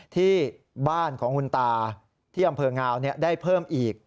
ที่บ้านของคุณตาที่อำเภองาวได้เพิ่มอีก